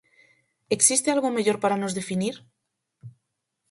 Existe algo mellor para nos definir?